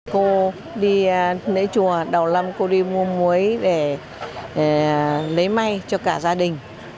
cô đi lấy chùa đầu năm cô đi mua muối để lấy may cho cả gia đình